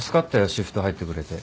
シフト入ってくれて。